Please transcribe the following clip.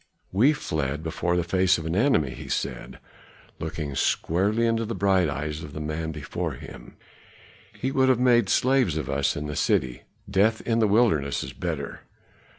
"We fled before the face of an enemy," he said, looking squarely into the bright eyes of the man before him. "He would have made slaves of us in the city; death in the wilderness is better."